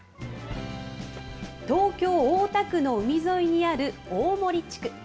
東京・大田区の海沿いにある大森地区。